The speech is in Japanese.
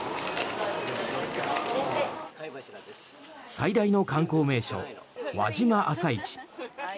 最大の観光名所輪島朝市。